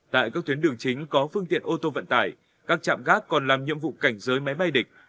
tại các tuyến đường chính có phương tiện ô tô vận tải các trạm gác còn làm nhiệm vụ cảnh giới máy bay địch